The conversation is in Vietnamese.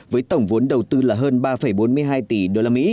với tổng vốn đầu tư là hơn ba bốn mươi hai tỷ usd